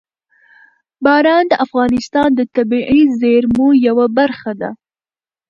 باران د افغانستان د طبیعي زیرمو یوه برخه ده.